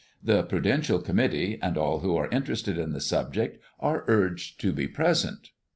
The Prudential Committee, and all who are interested in the subject are urged to be present.